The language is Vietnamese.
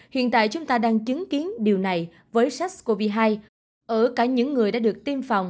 hiện tại chúng ta đang chứng kiến điều này với sars cov hai ở cả những người đã được tiêm phòng